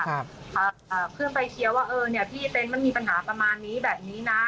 ครับอ่าเพื่อไปเคลียร์ว่าเออเนี้ยพี่เต็นต์มันมีปัญหาประมาณนี้แบบนี้นะ